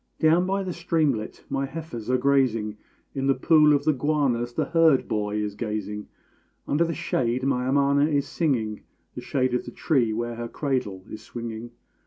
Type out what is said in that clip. Down by the streamlet my heifers are grazing; In the pool of the guanas the herd boy is gazing; Under the shade my amana is singing The shade of the tree where her cradle is swinging.